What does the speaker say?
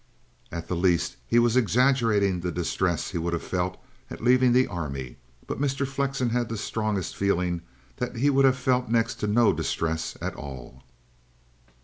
At the least he was exaggerating the distress he would have felt at leaving the Army; but Mr. Flexen had the strongest feeling that he would have felt next to no distress at all.